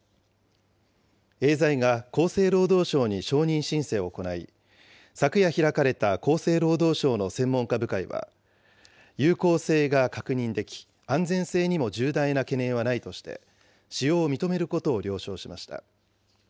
エーザイが厚生労働省に承認申請を行い、昨夜開かれた厚生労働省の専門家部会は、有効性が確認でき、安全性にも重大な懸念はないとして、使用を認めることを了承しました。